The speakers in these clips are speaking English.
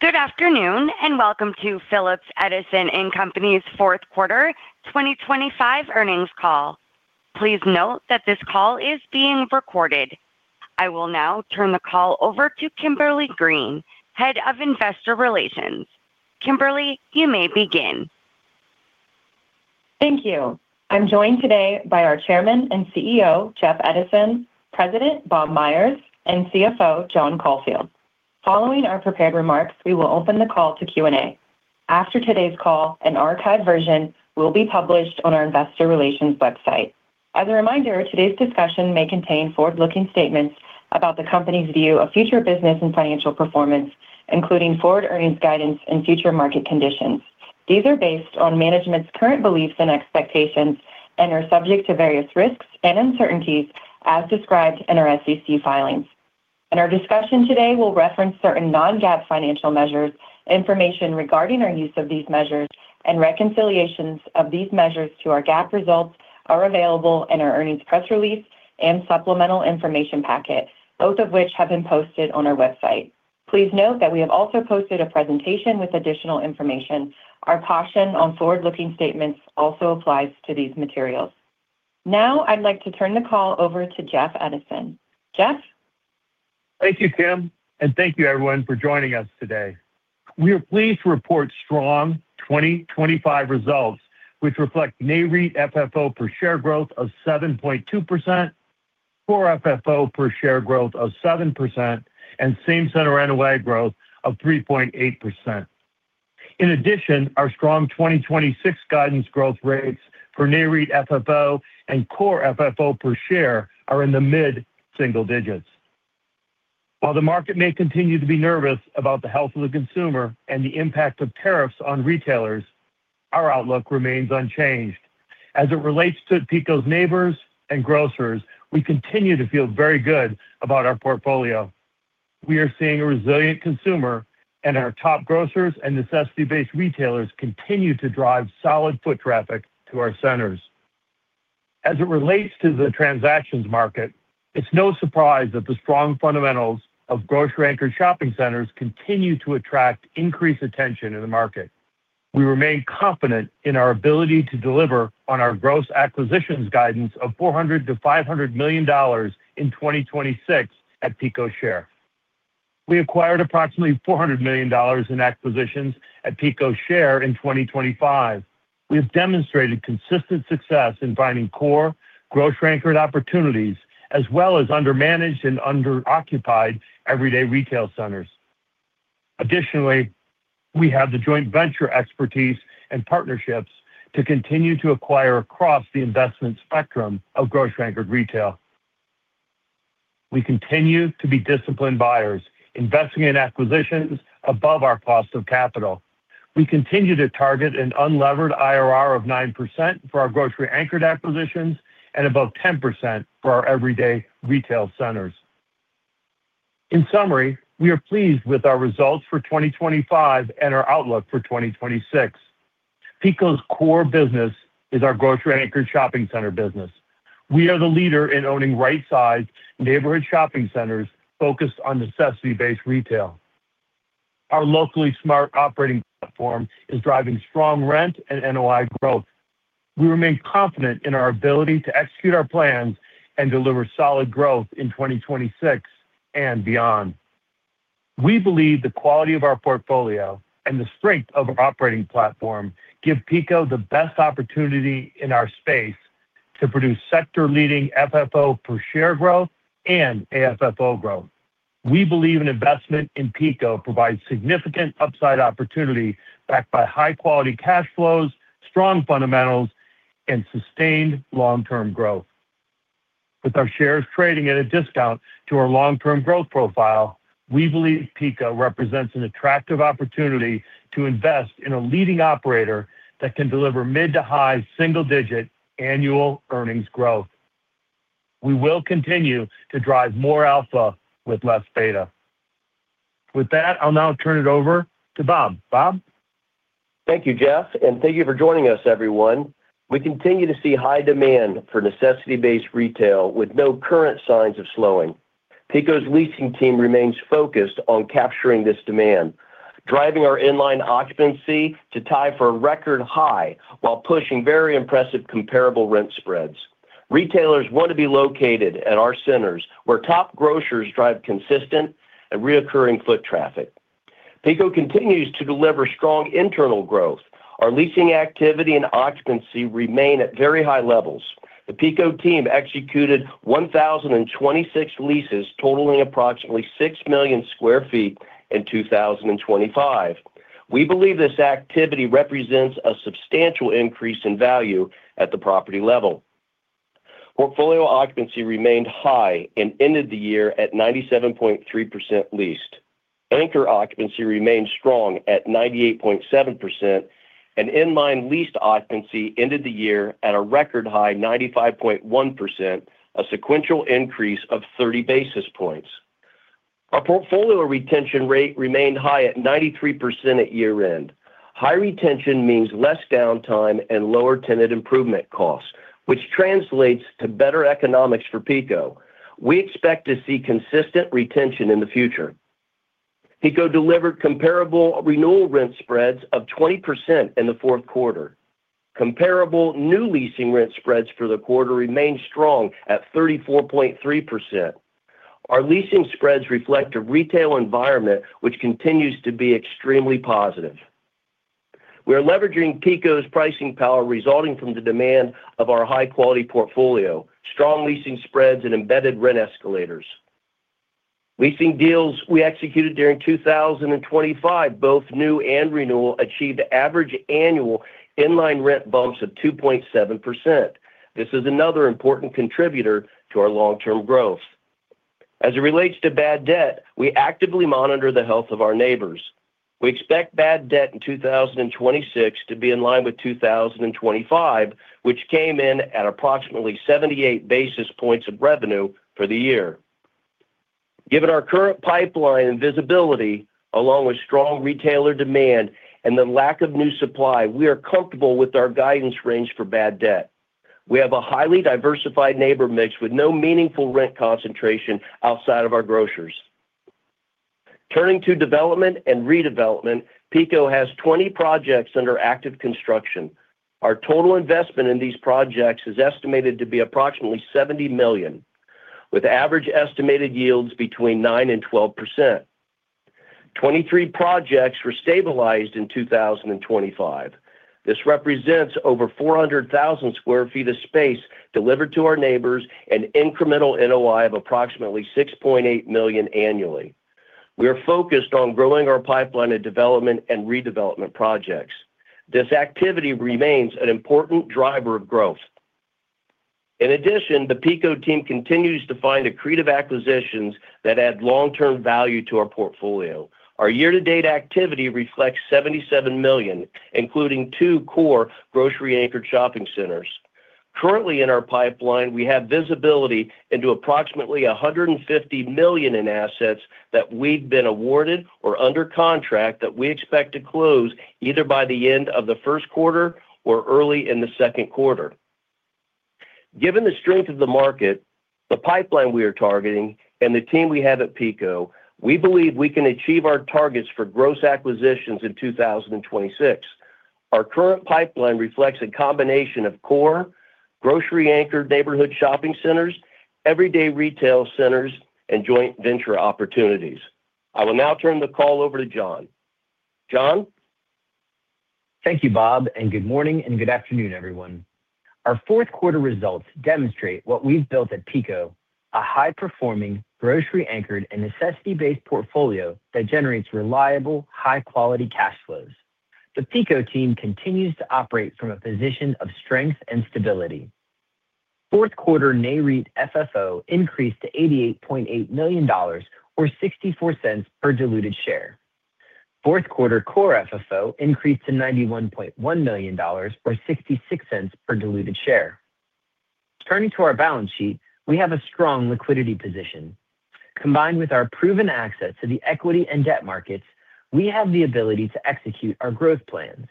Good afternoon and welcome to Phillips Edison & Company's fourth quarter 2025 earnings call. Please note that this call is being recorded. I will now turn the call over to Kimberly Green, Head of Investor Relations. Kimberly, you may begin. Thank you. I'm joined today by our Chairman and CEO Jeff Edison, President Bob Myers, and CFO John Caulfield. Following our prepared remarks, we will open the call to Q&A. After today's call, an archived version will be published on our investor relations website. As a reminder, today's discussion may contain forward-looking statements about the company's view of future business and financial performance, including forward earnings guidance and future market conditions. These are based on management's current beliefs and expectations and are subject to various risks and uncertainties as described in our SEC filings. Our discussion today will reference certain non-GAAP financial measures, information regarding our use of these measures, and reconciliations of these measures to our GAAP results are available in our earnings press release and supplemental information packet, both of which have been posted on our website. Please note that we have also posted a presentation with additional information. Our caution on forward-looking statements also applies to these materials. Now I'd like to turn the call over to Jeff Edison. Jeff? Thank you, Kim, and thank you, everyone, for joining us today. We are pleased to report strong 2025 results, which reflect Nareit FFO per share growth of 7.2%, Core FFO per share growth of 7%, and same-center NOI growth of 3.8%. In addition, our strong 2026 guidance growth rates for Nareit FFO and core FFO per share are in the mid-single digits. While the market may continue to be nervous about the health of the consumer and the impact of tariffs on retailers, our outlook remains unchanged. As it relates to PECO's neighbors and grocers, we continue to feel very good about our portfolio. We are seeing a resilient consumer, and our top grocers and necessity-based retailers continue to drive solid foot traffic to our centers. As it relates to the transactions market, it's no surprise that the strong fundamentals of grocery-anchored shopping centers continue to attract increased attention in the market. We remain confident in our ability to deliver on our gross acquisitions guidance of $400 million-$500 million in 2026 at PECO share. We acquired approximately $400 million in acquisitions at PECO share in 2025. We have demonstrated consistent success in finding core grocery-anchored opportunities as well as undermanaged and underoccupied everyday retail centers. Additionally, we have the joint venture expertise and partnerships to continue to acquire across the investment spectrum of grocery-anchored retail. We continue to be disciplined buyers, investing in acquisitions above our cost of capital. We continue to target an unlevered IRR of 9% for our grocery-anchored acquisitions and above 10% for our everyday retail centers. In summary, we are pleased with our results for 2025 and our outlook for 2026. PECO's core business is our grocery-anchored shopping center business. We are the leader in owning right-sized neighborhood shopping centers focused on necessity-based retail. Our Locally Smart operating platform is driving strong rent and NOI growth. We remain confident in our ability to execute our plans and deliver solid growth in 2026 and beyond. We believe the quality of our portfolio and the strength of our operating platform give PECO the best opportunity in our space to produce sector-leading FFO per share growth and AFFO growth. We believe an investment in PECO provides significant upside opportunity backed by high-quality cash flows, strong fundamentals, and sustained long-term growth. With our shares trading at a discount to our long-term growth profile, we believe PECO represents an attractive opportunity to invest in a leading operator that can deliver mid to high single-digit annual earnings growth. We will continue to drive more alpha with less beta. With that, I'll now turn it over to Bob. Bob? Thank you, Jeff, and thank you for joining us, everyone. We continue to see high demand for necessity-based retail with no current signs of slowing. PECO's leasing team remains focused on capturing this demand, driving our inline occupancy to tie for a record high while pushing very impressive comparable rent spreads. Retailers want to be located at our centers where top grocers drive consistent and recurring foot traffic. PECO continues to deliver strong internal growth. Our leasing activity and occupancy remain at very high levels. The PECO team executed 1,026 leases, totaling approximately 6 million sq ft in 2025. We believe this activity represents a substantial increase in value at the property level. Portfolio occupancy remained high and ended the year at 97.3% leased. Anchor occupancy remained strong at 98.7%, and inline leased occupancy ended the year at a record high 95.1%, a sequential increase of 30 basis points. Our portfolio retention rate remained high at 93% at year-end. High retention means less downtime and lower tenant improvement costs, which translates to better economics for PECO. We expect to see consistent retention in the future. PECO delivered comparable renewal rent spreads of 20% in the fourth quarter. Comparable new leasing rent spreads for the quarter remained strong at 34.3%. Our leasing spreads reflect a retail environment which continues to be extremely positive. We are leveraging PECO's pricing power resulting from the demand of our high-quality portfolio, strong leasing spreads, and embedded rent escalators. Leasing deals we executed during 2025, both new and renewal, achieved average annual inline rent bumps of 2.7%. This is another important contributor to our long-term growth. As it relates to bad debt, we actively monitor the health of our neighbors. We expect bad debt in 2026 to be in line with 2025, which came in at approximately 78 basis points of revenue for the year. Given our current pipeline and visibility, along with strong retailer demand and the lack of new supply, we are comfortable with our guidance range for bad debt. We have a highly diversified neighbor mix with no meaningful rent concentration outside of our grocers. Turning to development and redevelopment, PECO has 20 projects under active construction. Our total investment in these projects is estimated to be approximately $70 million, with average estimated yields between 9%-12%. 23 projects were stabilized in 2025. This represents over 400,000 sq ft of space delivered to our neighbors and incremental NOI of approximately $6.8 million annually. We are focused on growing our pipeline of development and redevelopment projects. This activity remains an important driver of growth. In addition, the PECO team continues to find accretive acquisitions that add long-term value to our portfolio. Our year-to-date activity reflects $77 million, including two core grocery-anchored shopping centers. Currently, in our pipeline, we have visibility into approximately $150 million in assets that we've been awarded or under contract that we expect to close either by the end of the first quarter or early in the second quarter. Given the strength of the market, the pipeline we are targeting, and the team we have at PECO, we believe we can achieve our targets for gross acquisitions in 2026. Our current pipeline reflects a combination of core grocery-anchored neighborhood shopping centers, everyday retail centers, and joint venture opportunities. I will now turn the call over to John. John? Thank you, Bob, and good morning and good afternoon, everyone. Our fourth quarter results demonstrate what we've built at PECO: a high-performing grocery-anchored and necessity-based portfolio that generates reliable, high-quality cash flows. The PECO team continues to operate from a position of strength and stability. Fourth quarter Nareit FFO increased to $88.8 million or $0.64 per diluted share. Fourth quarter Core FFO increased to $91.1 million or $0.66 per diluted share. Turning to our balance sheet, we have a strong liquidity position. Combined with our proven access to the equity and debt markets, we have the ability to execute our growth plans.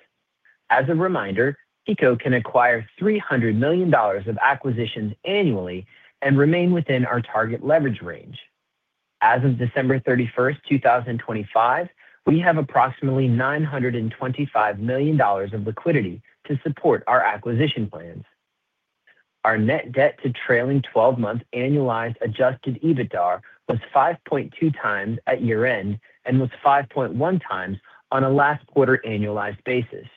As a reminder, PECO can acquire $300 million of acquisitions annually and remain within our target leverage range. As of December 31st, 2025, we have approximately $925 million of liquidity to support our acquisition plans. Our net debt to trailing 12-month annualized adjusted EBITDA was 5.2x at year-end and was 5.1x on a last quarter annualized basis.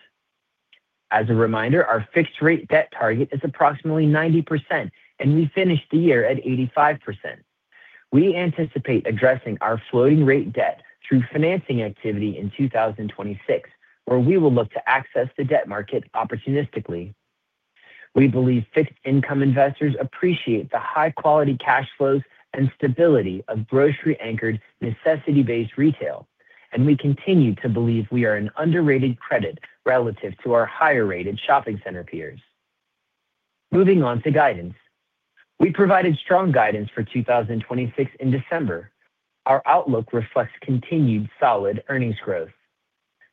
As a reminder, our fixed-rate debt target is approximately 90%, and we finished the year at 85%. We anticipate addressing our floating-rate debt through financing activity in 2026, where we will look to access the debt market opportunistically. We believe fixed-income investors appreciate the high-quality cash flows and stability of grocery-anchored necessity-based retail, and we continue to believe we are an underrated credit relative to our higher-rated shopping center peers. Moving on to guidance. We provided strong guidance for 2026 in December. Our outlook reflects continued solid earnings growth.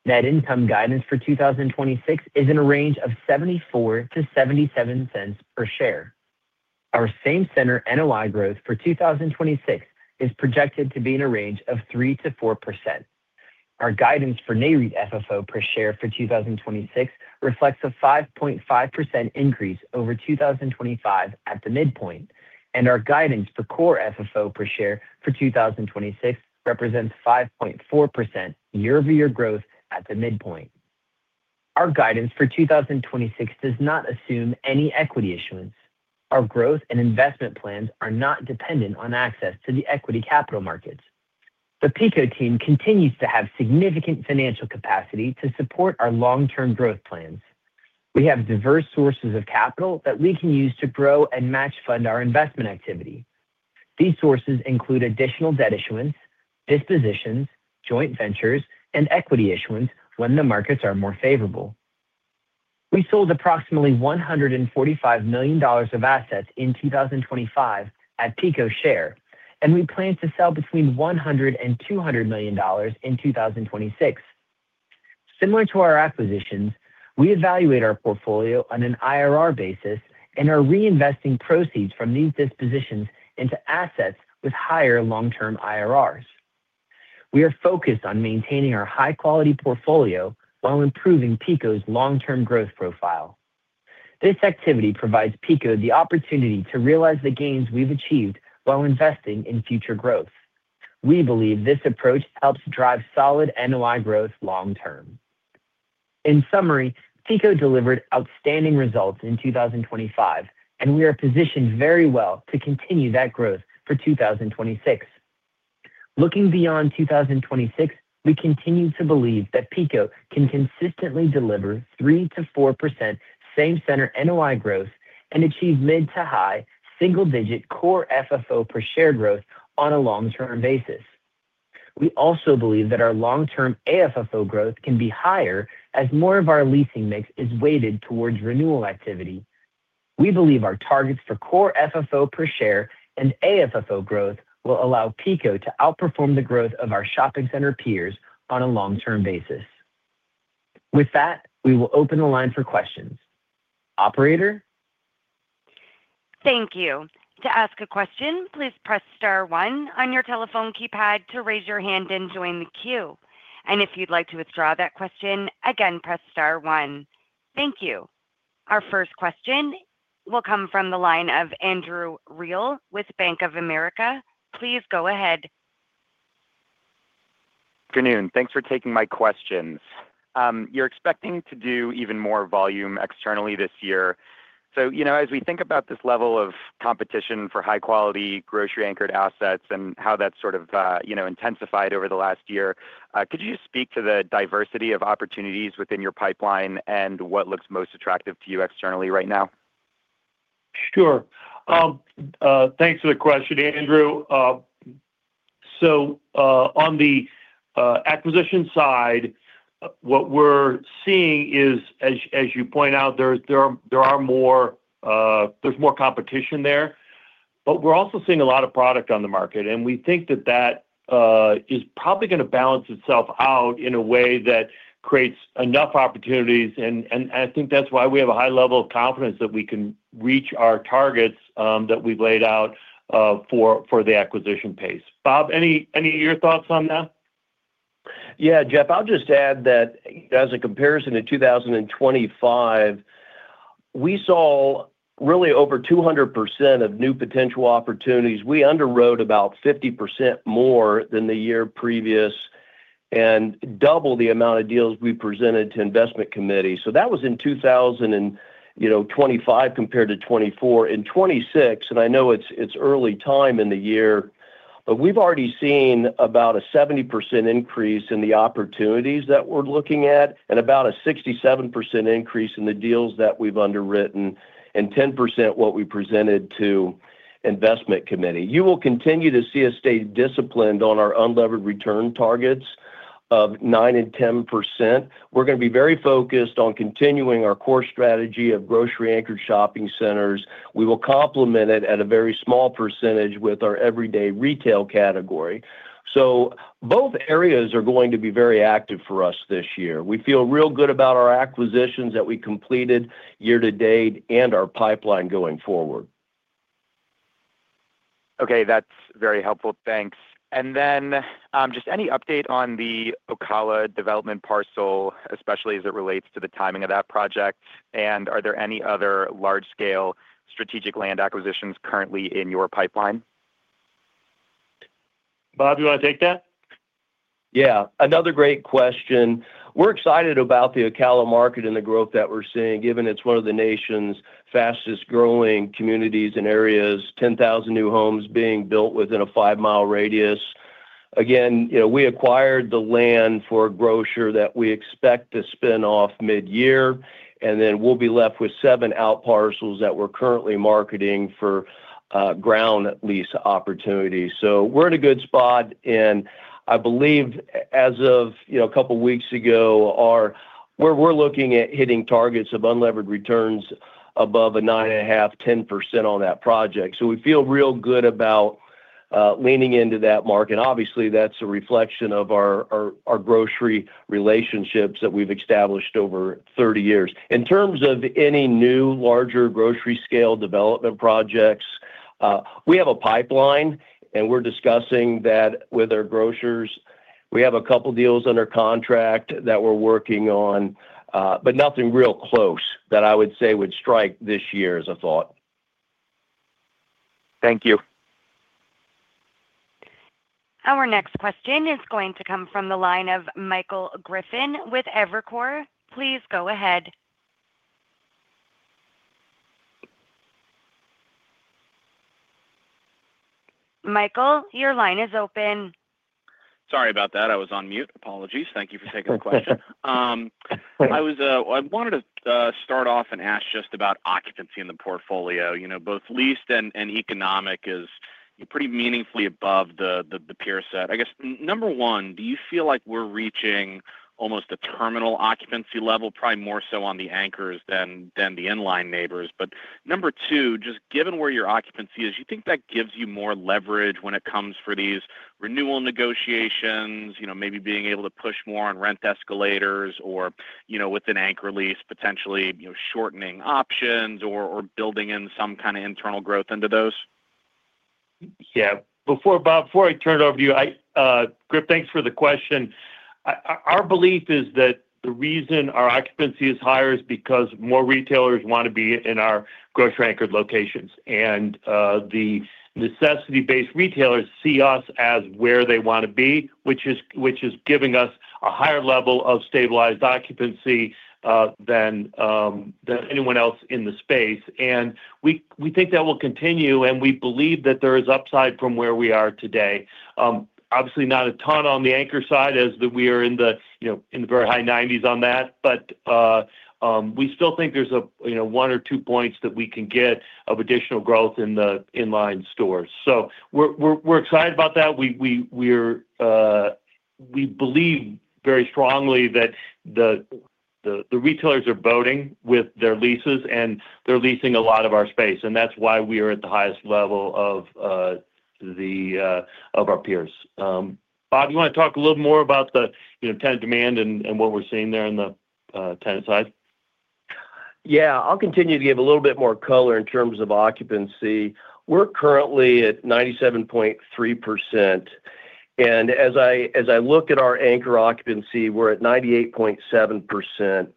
Net income guidance for 2026 is in a range of $0.74-$0.77 per share. Our same-center NOI growth for 2026 is projected to be in a range of 3%-4%. Our guidance for Nareit FFO per share for 2026 reflects a 5.5% increase over 2025 at the midpoint, and our guidance for core FFO per share for 2026 represents 5.4% year-over-year growth at the midpoint. Our guidance for 2026 does not assume any equity issuance. Our growth and investment plans are not dependent on access to the equity capital markets. The PECO team continues to have significant financial capacity to support our long-term growth plans. We have diverse sources of capital that we can use to grow and match-fund our investment activity. These sources include additional debt issuance, dispositions, joint ventures, and equity issuance when the markets are more favorable. We sold approximately $145 million of assets in 2025 at PECO share, and we plan to sell between $100 million and $200 million in 2026. Similar to our acquisitions, we evaluate our portfolio on an IRR basis and are reinvesting proceeds from these dispositions into assets with higher long-term IRRs. We are focused on maintaining our high-quality portfolio while improving PECO's long-term growth profile. This activity provides PECO the opportunity to realize the gains we've achieved while investing in future growth. We believe this approach helps drive solid NOI growth long-term. In summary, PECO delivered outstanding results in 2025, and we are positioned very well to continue that growth for 2026. Looking beyond 2026, we continue to believe that PECO can consistently deliver 3%-4% same-center NOI growth and achieve mid to high single-digit core FFO per share growth on a long-term basis. We also believe that our long-term AFFO growth can be higher as more of our leasing mix is weighted towards renewal activity. We believe our targets for Core FFO per share and AFFO growth will allow PECO to outperform the growth of our shopping center peers on a long-term basis. With that, we will open the line for questions. Operator? Thank you. To ask a question, please press star one on your telephone keypad to raise your hand and join the queue. And if you'd like to withdraw that question, again, press star one. Thank you. Our first question will come from the line of Andrew Reale with Bank of America. Please go ahead. Good noon. Thanks for taking my questions. You're expecting to do even more volume externally this year. As we think about this level of competition for high-quality grocery-anchored assets and how that's sort of intensified over the last year, could you just speak to the diversity of opportunities within your pipeline and what looks most attractive to you externally right now? Sure. Thanks for the question, Andrew. So on the acquisition side, what we're seeing is, as you point out, there's more competition there. But we're also seeing a lot of product on the market, and we think that that is probably going to balance itself out in a way that creates enough opportunities. And I think that's why we have a high level of confidence that we can reach our targets that we've laid out for the acquisition pace. Bob, any of your thoughts on that? Yeah, Jeff. I'll just add that as a comparison to 2025, we saw really over 200% of new potential opportunities. We underwrote about 50% more than the year previous and double the amount of deals we presented to investment committees. So that was in 2025 compared to 2024. In 2026, and I know it's early time in the year, but we've already seen about a 70% increase in the opportunities that we're looking at and about a 67% increase in the deals that we've underwritten and 10% what we presented to investment committee. You will continue to see us stay disciplined on our unlevered return targets of 9% and 10%. We're going to be very focused on continuing our core strategy of grocery-anchored shopping centers. We will complement it at a very small percentage with our everyday retail category. So both areas are going to be very active for us this year. We feel real good about our acquisitions that we completed year-to-date and our pipeline going forward. Okay. That's very helpful. Thanks. And then just any update on the Ocala development parcel, especially as it relates to the timing of that project? And are there any other large-scale strategic land acquisitions currently in your pipeline? Bob, you want to take that? Yeah. Another great question. We're excited about the Ocala market and the growth that we're seeing, given it's one of the nation's fastest-growing communities and areas, 10,000 new homes being built within a 5 mi radius. Again, we acquired the land for grocer that we expect to spin off mid-year, and then we'll be left with seven out parcels that we're currently marketing for ground lease opportunities. So we're in a good spot. And I believe, as of a couple of weeks ago, we're looking at hitting targets of unlevered returns above 9.5%-10% on that project. So we feel real good about leaning into that market. Obviously, that's a reflection of our grocery relationships that we've established over 30 years. In terms of any new larger grocery-scale development projects, we have a pipeline, and we're discussing that with our grocers. We have a couple of deals under contract that we're working on, but nothing real close that I would say would strike this year as a thought. Thank you. Our next question is going to come from the line of Michael Griffin with Evercore. Please go ahead. Michael, your line is open. Sorry about that. I was on mute. Apologies. Thank you for taking the question. I wanted to start off and ask just about occupancy in the portfolio. Both leased and economic is pretty meaningfully above the peer set. I guess, number one, do you feel like we're reaching almost a terminal occupancy level, probably more so on the anchors than the inline neighbors? But number two, just given where your occupancy is, do you think that gives you more leverage when it comes for these renewal negotiations, maybe being able to push more on rent escalators or, with an anchor lease, potentially shortening options or building in some kind of internal growth into those? Yeah. Bob, before I turn it over to you, Griff, thanks for the question. Our belief is that the reason our occupancy is higher is because more retailers want to be in our grocery-anchored locations. And the necessity-based retailers see us as where they want to be, which is giving us a higher level of stabilized occupancy than anyone else in the space. And we think that will continue, and we believe that there is upside from where we are today. Obviously, not a ton on the anchor side as we are in the very high 90s on that, but we still think there's one or two points that we can get of additional growth in the inline stores. So we're excited about that. We believe very strongly that the retailers are voting with their leases, and they're leasing a lot of our space. That's why we are at the highest level of our peers. Bob, you want to talk a little more about the tenant demand and what we're seeing there on the tenant side? Yeah. I'll continue to give a little bit more color in terms of occupancy. We're currently at 97.3%. And as I look at our anchor occupancy, we're at 98.7%.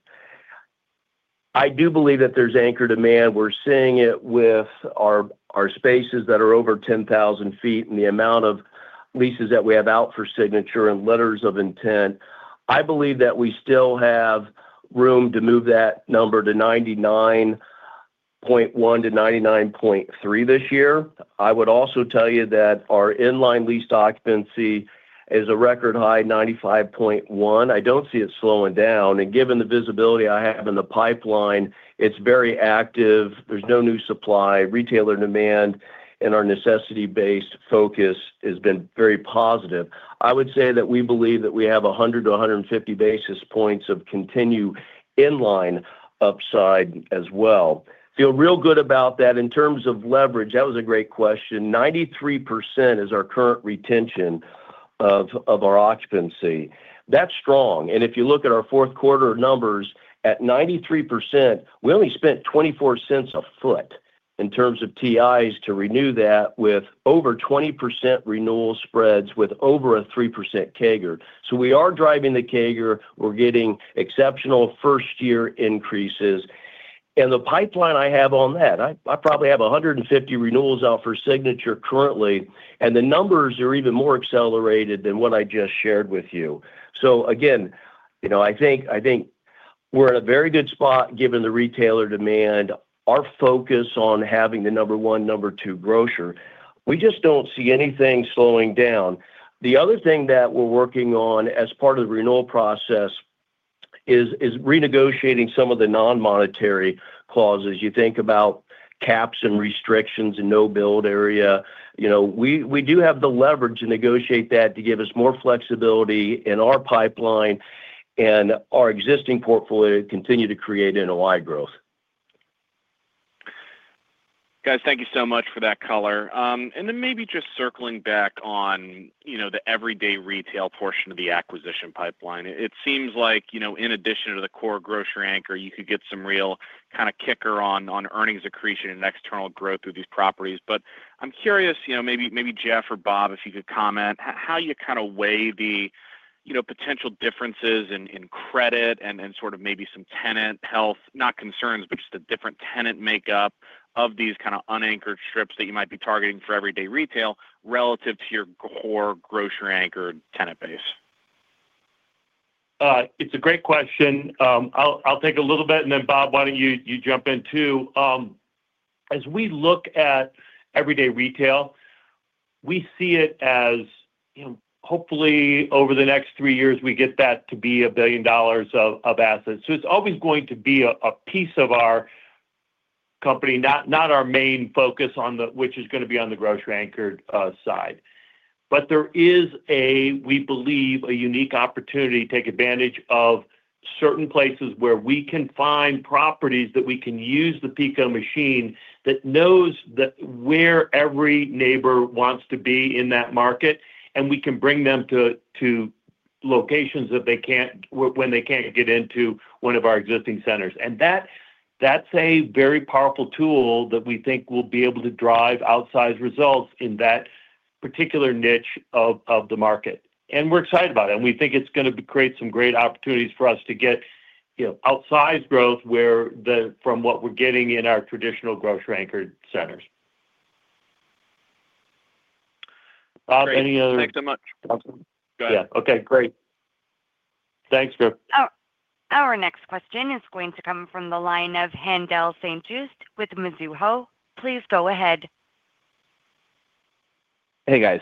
I do believe that there's anchor demand. We're seeing it with our spaces that are over 10,000 feet and the amount of leases that we have out for signature and letters of intent. I believe that we still have room to move that number to 99.1%-99.3% this year. I would also tell you that our inline lease occupancy is a record high, 95.1%. I don't see it slowing down. And given the visibility I have in the pipeline, it's very active. There's no new supply. Retailer demand and our necessity-based focus has been very positive. I would say that we believe that we have 100 to 150 basis points of continue inline upside as well. I feel real good about that. In terms of leverage, that was a great question. 93% is our current retention of our occupancy. That's strong. And if you look at our fourth-quarter numbers at 93%, we only spent $0.24 a foot in terms of TIs to renew that with over 20% renewal spreads with over a 3% escalator. So we are driving the escalator. We're getting exceptional first-year increases. And the pipeline I have on that, I probably have 150 renewals out for signature currently. And the numbers are even more accelerated than what I just shared with you. So again, I think we're in a very good spot given the retailer demand, our focus on having the number one, number two grocer. We just don't see anything slowing down. The other thing that we're working on as part of the renewal process is renegotiating some of the non-monetary clauses. You think about caps and restrictions and no-build area. We do have the leverage to negotiate that to give us more flexibility in our pipeline and our existing portfolio to continue to create NOI growth. Guys, thank you so much for that color. And then maybe just circling back on the everyday retail portion of the acquisition pipeline, it seems like, in addition to the core grocery anchor, you could get some real kind of kicker on earnings accretion and external growth with these properties. But I'm curious, maybe Jeff or Bob, if you could comment, how you kind of weigh the potential differences in credit and sort of maybe some tenant health, not concerns, but just a different tenant makeup of these kind of unanchored strips that you might be targeting for everyday retail relative to your core grocery-anchored tenant base. It's a great question. I'll take a little bit, and then, Bob, why don't you jump in too? As we look at everyday retail, we see it as, hopefully, over the next three years, we get that to be $1 billion of assets. So it's always going to be a piece of our company, not our main focus, which is going to be on the grocery-anchored side. But there is, we believe, a unique opportunity to take advantage of certain places where we can find properties that we can use the PECO machine that knows where every national wants to be in that market, and we can bring them to locations when they can't get into one of our existing centers. And that's a very powerful tool that we think will be able to drive outsized results in that particular niche of the market. And we're excited about it. We think it's going to create some great opportunities for us to get outsized growth from what we're getting in our traditional grocery-anchored centers. Bob, any other? Great. Thanks so much. Yeah Okay. Great. Thanks, Griff. Our next question is going to come from the line of Haendel St. Juste with Mizuho. Please go ahead. Hey, guys.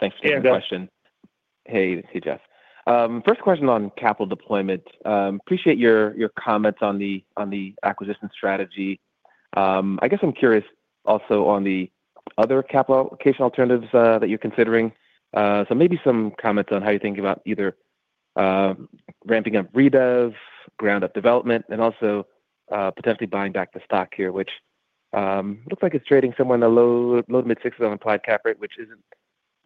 Thanks for taking the question. Hey, Jeff. First question on capital deployment. Appreciate your comments on the acquisition strategy. I guess I'm curious also on the other capital allocation alternatives that you're considering. So maybe some comments on how you think about either ramping up redev, ground-up development, and also potentially buying back the stock here, which looks like it's trading somewhere in the low- to mid-6.00 on applied cap rate, which isn't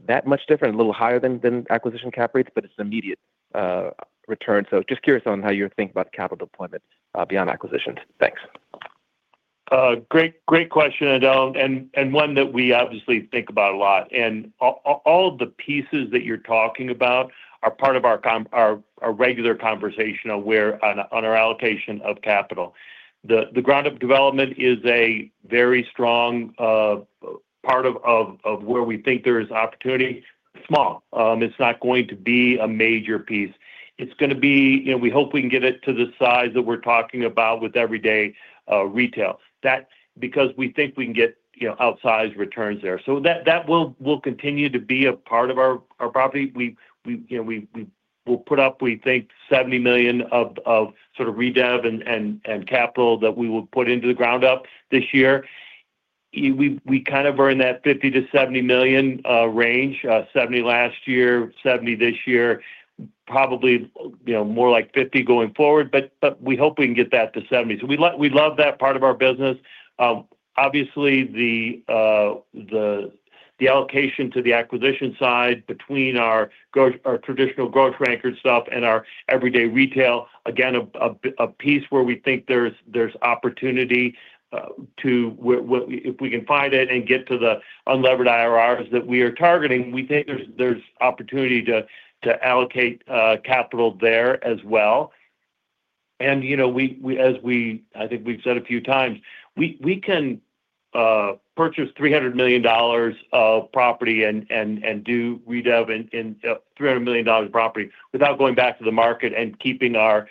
that much different, a little higher than acquisition cap rates, but it's an immediate return. So just curious on how you think about capital deployment beyond acquisitions. Thanks. Great question and one that we obviously think about a lot. All the pieces that you're talking about are part of our regular conversation on our allocation of capital. The ground-up development is a very strong part of where we think there is opportunity. Small. It's not going to be a major piece. It's going to be we hope we can get it to the size that we're talking about with everyday retail because we think we can get outsized returns there. That will continue to be a part of our property. We will put up, we think, $70 million of sort of redev and capital that we will put into the ground-up this year. We kind of are in that $50 million-$70 million range, $70 million last year, $70 million this year, probably more like $50 million going forward, but we hope we can get that to $70 million. So we love that part of our business. Obviously, the allocation to the acquisition side between our traditional grocery-anchored stuff and our everyday retail, again, a piece where we think there's opportunity to if we can find it and get to the unlevered IRRs that we are targeting, we think there's opportunity to allocate capital there as well. And as we, I think we've said a few times, we can purchase $300 million of property and do redev in $300 million property without going back to the market and keeping our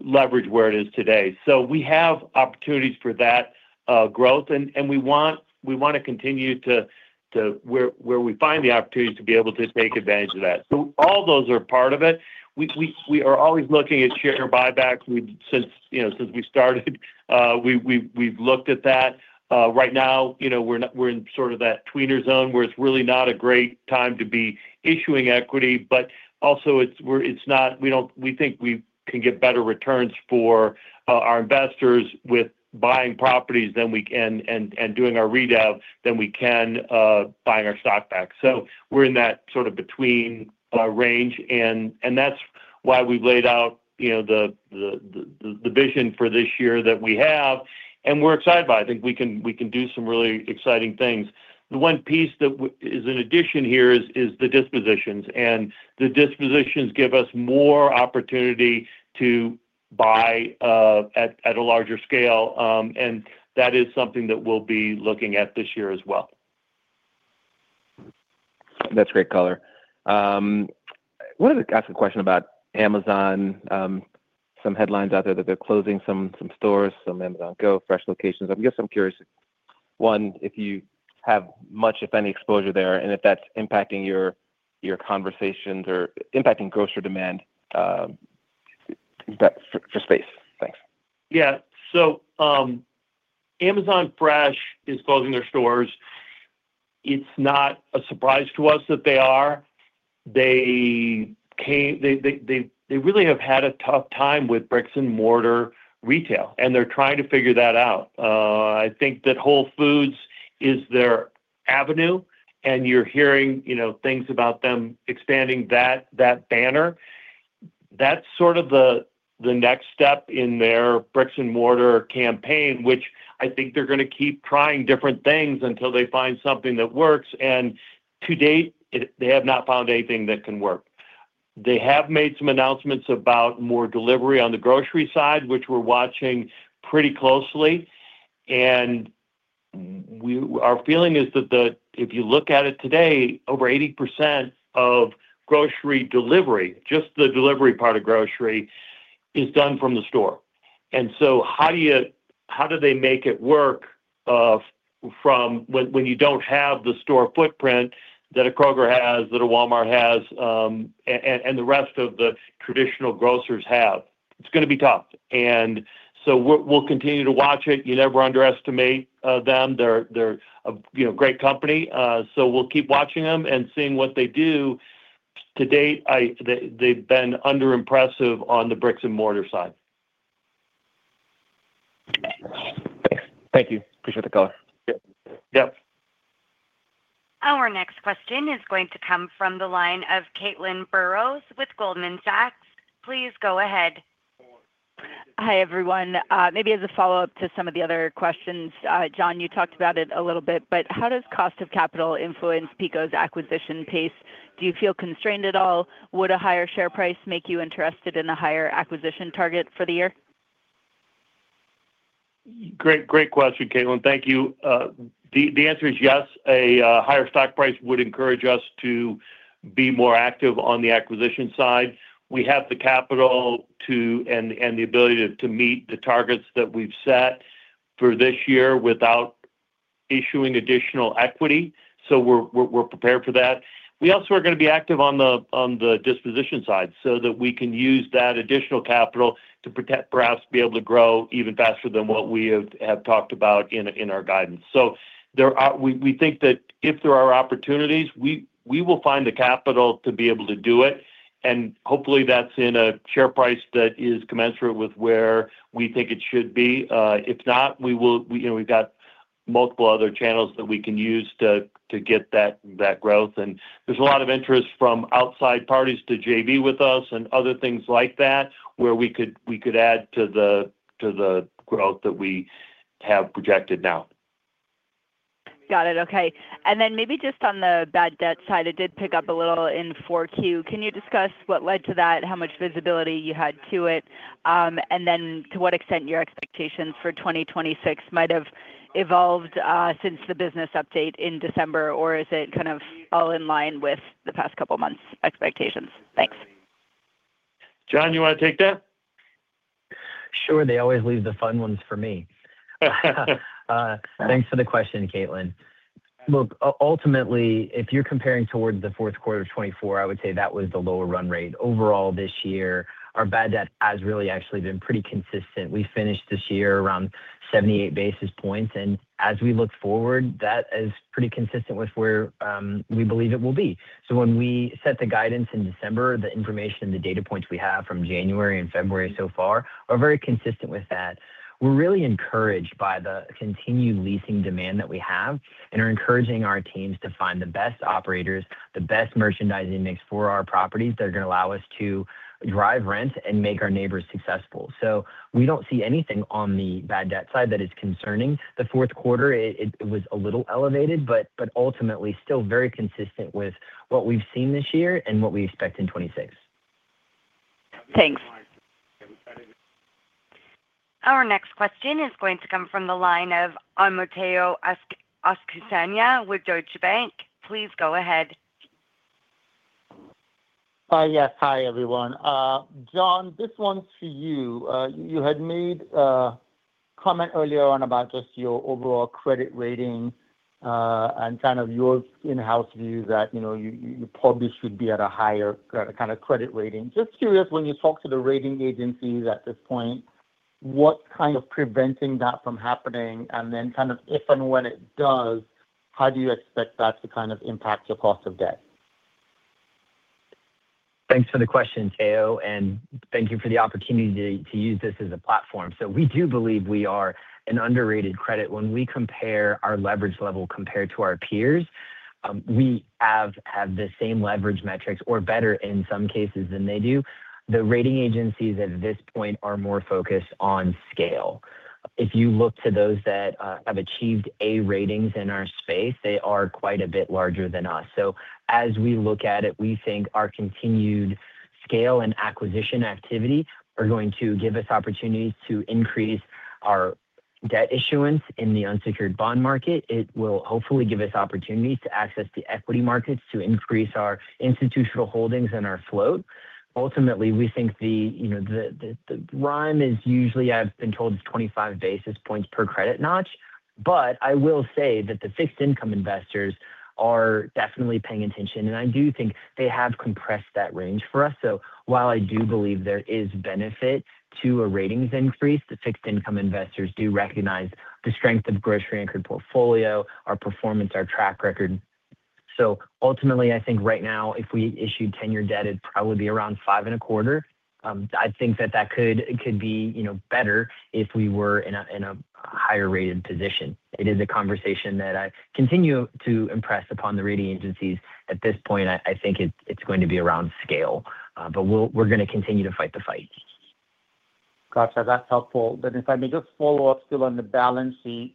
leverage where it is today. So we have opportunities for that growth, and we want to continue to where we find the opportunities to be able to take advantage of that. So all those are part of it. We are always looking at share buybacks. Since we started, we've looked at that. Right now, we're in sort of that tweener zone where it's really not a great time to be issuing equity, but also, we think we can get better returns for our investors with buying properties and doing our redev than we can buying our stockbacks. So we're in that sort of between range, and that's why we've laid out the vision for this year that we have. And we're excited by it. I think we can do some really exciting things. The one piece that is an addition here is the dispositions. And the dispositions give us more opportunity to buy at a larger scale, and that is something that we'll be looking at this year as well. That's great color. I wanted to ask a question about Amazon. Some headlines out there that they're closing some stores, some Amazon Go, Fresh locations. I guess I'm curious, one, if you have much, if any, exposure there, and if that's impacting your conversations or impacting grocery demand for space. Thanks. Yeah. So Amazon Fresh is closing their stores. It's not a surprise to us that they are. They really have had a tough time with bricks-and-mortar retail, and they're trying to figure that out. I think that Whole Foods is their avenue, and you're hearing things about them expanding that banner. That's sort of the next step in their bricks-and-mortar campaign, which I think they're going to keep trying different things until they find something that works. And to date, they have not found anything that can work. They have made some announcements about more delivery on the grocery side, which we're watching pretty closely. And our feeling is that if you look at it today, over 80% of grocery delivery, just the delivery part of grocery, is done from the store. How do they make it work when you don't have the store footprint that a Kroger has, that a Walmart has, and the rest of the traditional grocers have? It's going to be tough. We'll continue to watch it. You never underestimate them. They're a great company. We'll keep watching them and seeing what they do. To date, they've been underimpressive on the bricks-and-mortar side. Thanks. Thank you. Appreciate the color. Yep. Our next question is going to come from the line of Caitlin Burrows with Goldman Sachs. Please go ahead. Hi, everyone. Maybe as a follow-up to some of the other questions, John, you talked about it a little bit, but how does cost of capital influence PECO's acquisition pace? Do you feel constrained at all? Would a higher share price make you interested in a higher acquisition target for the year? Great question, Caitlin. Thank you. The answer is yes. A higher stock price would encourage us to be more active on the acquisition side. We have the capital and the ability to meet the targets that we've set for this year without issuing additional equity, so we're prepared for that. We also are going to be active on the disposition side so that we can use that additional capital to perhaps be able to grow even faster than what we have talked about in our guidance. So we think that if there are opportunities, we will find the capital to be able to do it. And hopefully, that's in a share price that is commensurate with where we think it should be. If not, we've got multiple other channels that we can use to get that growth. There's a lot of interest from outside parties to JV with us and other things like that where we could add to the growth that we have projected now. Got it. Okay. And then maybe just on the bad debt side, it did pick up a little in 4Q. Can you discuss what led to that, how much visibility you had to it, and then to what extent your expectations for 2026 might have evolved since the business update in December, or is it kind of all in line with the past couple of months' expectations? Thanks. John, you want to take that? Sure. They always leave the fun ones for me. Thanks for the question, Caitlin. Look, ultimately, if you're comparing toward the fourth quarter of 2024, I would say that was the lower run rate. Overall, this year, our bad debt has really actually been pretty consistent. We finished this year around 78 basis points. And as we look forward, that is pretty consistent with where we believe it will be. So when we set the guidance in December, the information and the data points we have from January and February so far are very consistent with that. We're really encouraged by the continued leasing demand that we have and are encouraging our teams to find the best operators, the best merchandising mix for our properties that are going to allow us to drive rent and make our neighbors successful. We don't see anything on the bad debt side that is concerning. The fourth quarter, it was a little elevated, but ultimately, still very consistent with what we've seen this year and what we expect in 2026. Thanks. Our next question is going to come from the line of Omotayo Okusanya with Deutsche Bank. Please go ahead. Yes. Hi, everyone. John, this one's for you. You had made a comment earlier on about just your overall credit rating and kind of your in-house view that you probably should be at a higher kind of credit rating. Just curious, when you talk to the rating agencies at this point, what's kind of preventing that from happening? And then kind of if and when it does, how do you expect that to kind of impact your cost of debt? Thanks for the question, Tayo, and thank you for the opportunity to use this as a platform. So we do believe we are an underrated credit. When we compare our leverage level compared to our peers, we have the same leverage metrics or better in some cases than they do. The rating agencies at this point are more focused on scale. If you look to those that have achieved A ratings in our space, they are quite a bit larger than us. So as we look at it, we think our continued scale and acquisition activity are going to give us opportunities to increase our debt issuance in the unsecured bond market. It will hopefully give us opportunities to access the equity markets to increase our institutional holdings and our float. Ultimately, we think the rhyme is usually, I've been told, is 25 basis points per credit notch. But I will say that the fixed-income investors are definitely paying attention, and I do think they have compressed that range for us. So while I do believe there is benefit to a ratings increase, the fixed-income investors do recognize the strength of grocery-anchored portfolio, our performance, our track record. So ultimately, I think right now, if we issued 10-year debt, it'd probably be around 5.25%. I think that that could be better if we were in a higher-rated position. It is a conversation that I continue to impress upon the rating agencies. At this point, I think it's going to be around scale, but we're going to continue to fight the fight. Gotcha. That's helpful. Then if I may just follow up still on the balance sheet,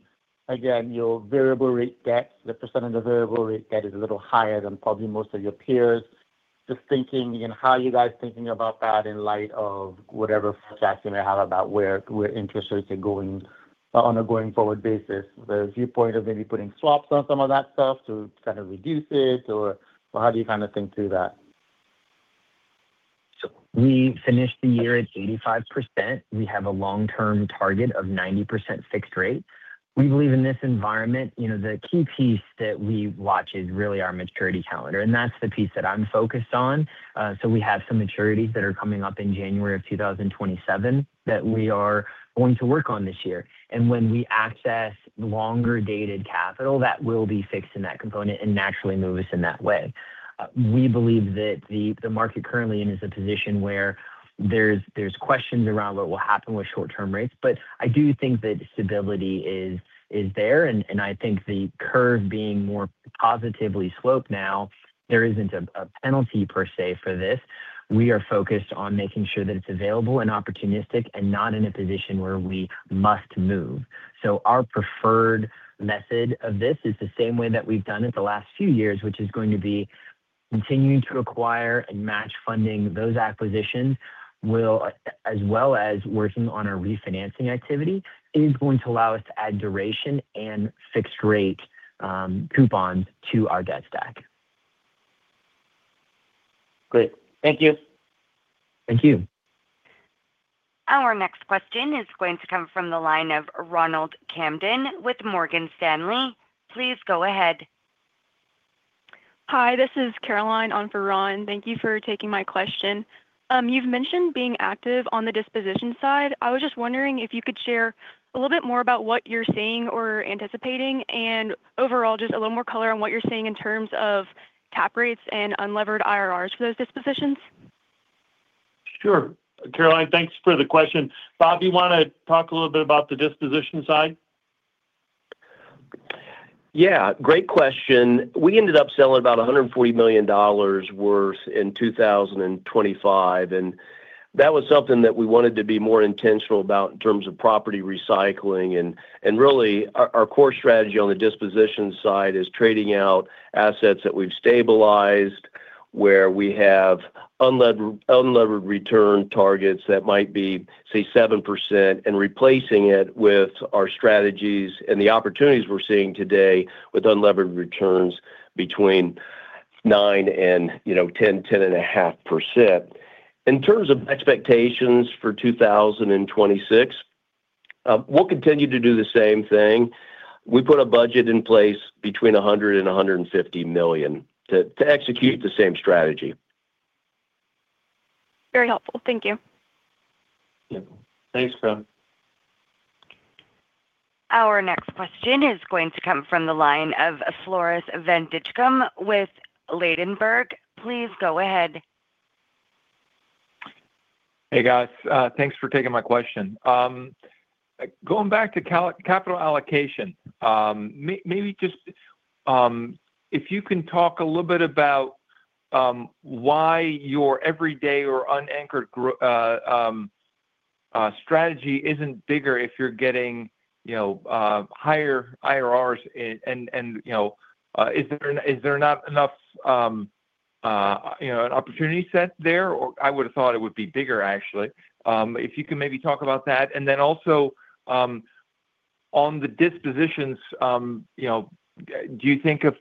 again, your variable-rate debt, the percentage of variable-rate debt is a little higher than probably most of your peers. Just thinking how are you guys thinking about that in light of whatever forecast you may have about where interest rates are going on a going forward basis? The viewpoint of maybe putting swaps on some of that stuff to kind of reduce it, or how do you kind of think through that? We finished the year at 85%. We have a long-term target of 90% fixed rate. We believe in this environment, the key piece that we watch is really our maturity calendar, and that's the piece that I'm focused on. We have some maturities that are coming up in January of 2027 that we are going to work on this year. When we access longer-dated capital, that will be fixed in that component and naturally move us in that way. We believe that the market currently is in a position where there's questions around what will happen with short-term rates, but I do think that stability is there. I think the curve being more positively sloped now, there isn't a penalty per se for this. We are focused on making sure that it's available and opportunistic and not in a position where we must move. Our preferred method of this is the same way that we've done it the last few years, which is going to be continuing to acquire and match funding those acquisitions, as well as working on our refinancing activity, is going to allow us to add duration and fixed-rate coupons to our debt stack. Great. Thank you. Thank you. Our next question is going to come from the line of Ronald Kamdem with Morgan Stanley. Please go ahead. Hi, this is Caroline on for Ron. Thank you for taking my question. You've mentioned being active on the disposition side. I was just wondering if you could share a little bit more about what you're seeing or anticipating and overall just a little more color on what you're seeing in terms of cap rates and unlevered IRRs for those dispositions. Sure, Caroline. Thanks for the question. Bob, you want to talk a little bit about the disposition side? Yeah. Great question. We ended up selling about $140 million worth in 2025, and that was something that we wanted to be more intentional about in terms of property recycling. And really, our core strategy on the disposition side is trading out assets that we've stabilized where we have unlevered return targets that might be, say, 7% and replacing it with our strategies and the opportunities we're seeing today with unlevered returns between 9% and 10.5%. In terms of expectations for 2026, we'll continue to do the same thing. We put a budget in place between $100 million and $150 million to execute the same strategy. Very helpful. Thank you. Thanks, Chris. Our next question is going to come from the line of Floris van Dijkum with Ladenburg. Please go ahead. Hey, guys. Thanks for taking my question. Going back to capital allocation, maybe just if you can talk a little bit about why your everyday or unanchored strategy isn't bigger if you're getting higher IRRs, and is there not enough an opportunity set there, or I would have thought it would be bigger, actually. If you can maybe talk about that. And then also on the dispositions, do you think of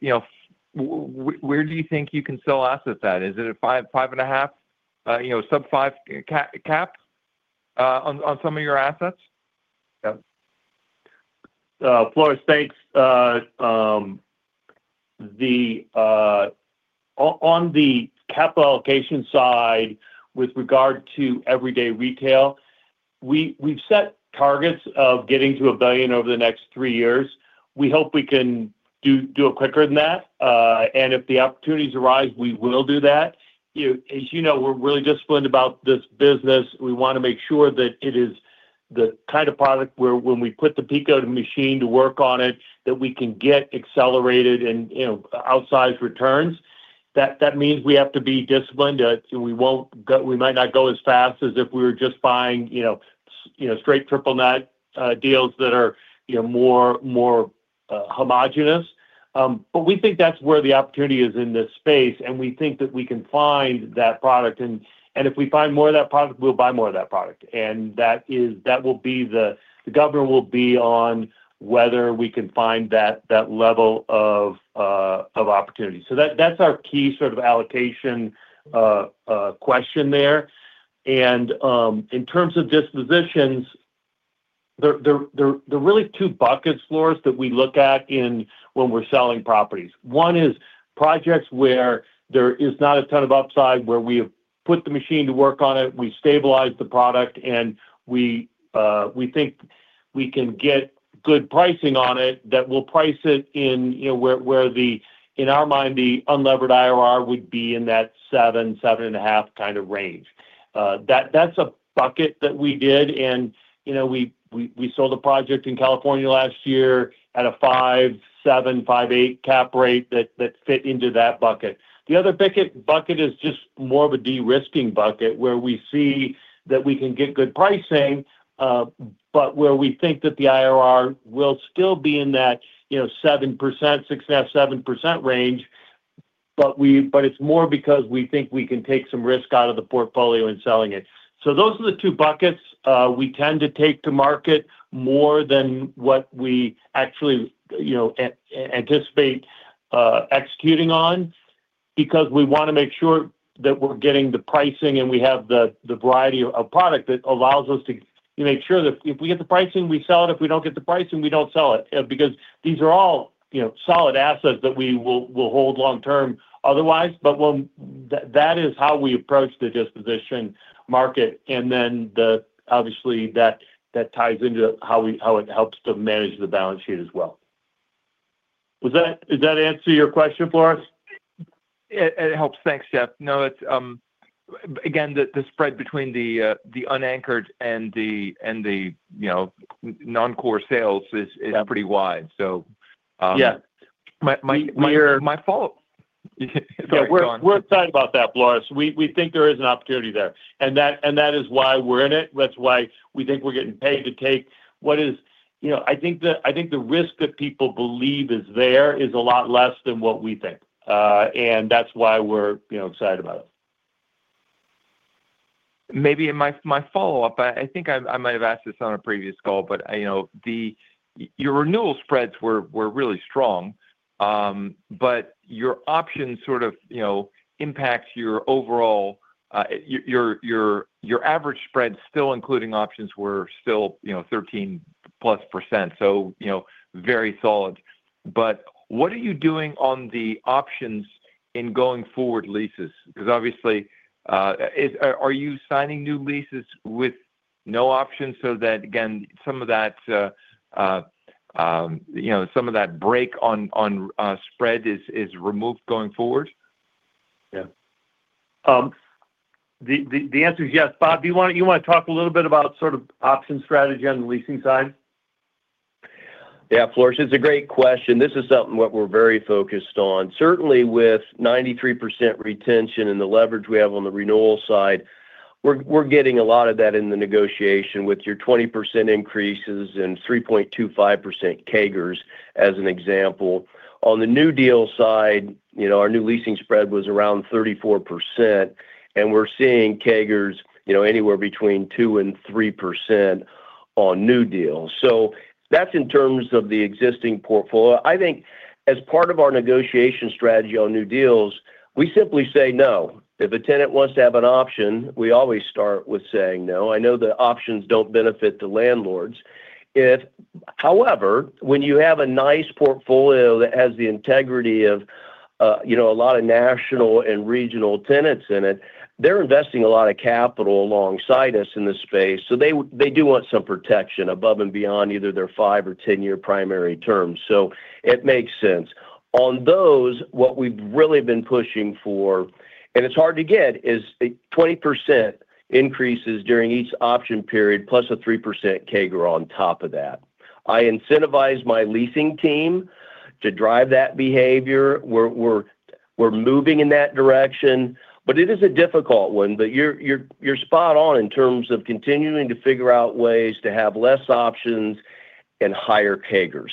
where do you think you can sell assets at? Is it a 5.5, sub-5 cap on some of your assets? Yep. Floris, thanks. On the capital allocation side with regard to everyday retail, we've set targets of getting to $1 billion over the next three years. We hope we can do it quicker than that. If the opportunities arise, we will do that. As you know, we're really disciplined about this business. We want to make sure that it is the kind of product where when we put the PECO machine to work on it, that we can get accelerated and outsized returns. That means we have to be disciplined. We might not go as fast as if we were just buying straight triple net deals that are more homogeneous. But we think that's where the opportunity is in this space, and we think that we can find that product. If we find more of that product, we'll buy more of that product. And that will be the government will be on whether we can find that level of opportunity. So that's our key sort of allocation question there. And in terms of dispositions, there are really two buckets, Floris, that we look at when we're selling properties. One is projects where there is not a ton of upside, where we have put the machine to work on it, we stabilize the product, and we think we can get good pricing on it that will price it in where the in our mind, the unlevered IRR would be in that 7-7.5 kind of range. That's a bucket that we did. And we sold a project in California last year at a 5.7-5.8 cap rate that fit into that bucket. The other bucket is just more of a de-risking bucket where we see that we can get good pricing, but where we think that the IRR will still be in that 6.5%-7% range, but it's more because we think we can take some risk out of the portfolio in selling it. So those are the two buckets we tend to take to market more than what we actually anticipate executing on because we want to make sure that we're getting the pricing and we have the variety of product that allows us to make sure that if we get the pricing, we sell it. If we don't get the pricing, we don't sell it because these are all solid assets that we will hold long-term otherwise. But that is how we approach the disposition market. And then obviously, that ties into how it helps to manage the balance sheet as well. Does that answer your question, Floris? It helps. Thanks, Jeff. No, again, the spread between the unanchored and the non-core sales is pretty wide. So my follow-up. Yeah. We're excited about that, Floris. We think there is an opportunity there, and that is why we're in it. That's why we think we're getting paid to take what is I think the risk that people believe is there is a lot less than what we think, and that's why we're excited about it. Maybe in my follow-up, I think I might have asked this on a previous call, but your renewal spreads were really strong, but your options sort of impact your overall your average spread, still including options, were still 13%+, so very solid. But what are you doing on the options in going forward leases? Because obviously, are you signing new leases with no options so that, again, some of that some of that break on spread is removed going forward? Yeah. The answer is yes. Bob, do you want to talk a little bit about sort of option strategy on the leasing side? Yeah, Floris, it's a great question. This is something what we're very focused on. Certainly, with 93% retention and the leverage we have on the renewal side, we're getting a lot of that in the negotiation with your 20% increases and 3.25% CAGRs, as an example. On the new deal side, our new leasing spread was around 34%, and we're seeing CAGRs anywhere between 2%-3% on new deals. So that's in terms of the existing portfolio. I think as part of our negotiation strategy on new deals, we simply say no. If a tenant wants to have an option, we always start with saying no. I know the options don't benefit the landlords. However, when you have a nice portfolio that has the integrity of a lot of national and regional tenants in it, they're investing a lot of capital alongside us in this space. So they do want some protection above and beyond either their five or 10-year primary terms, so it makes sense. On those, what we've really been pushing for, and it's hard to get, is 20% increases during each option period plus a 3% CAGR on top of that. I incentivize my leasing team to drive that behavior. We're moving in that direction, but it is a difficult one. But you're spot on in terms of continuing to figure out ways to have less options and higher CAGRs.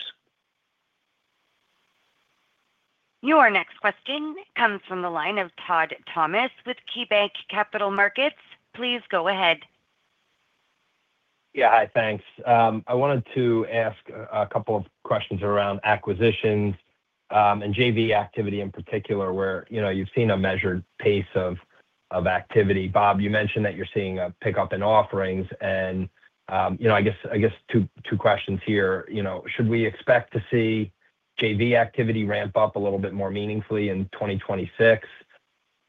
Your next question comes from the line of Todd Thomas with KeyBanc Capital Markets. Please go ahead. Yeah. Hi. Thanks. I wanted to ask a couple of questions around acquisitions and JV activity in particular, where you've seen a measured pace of activity. Bob, you mentioned that you're seeing a pickup in offerings. And I guess two questions here. Should we expect to see JV activity ramp up a little bit more meaningfully in 2026?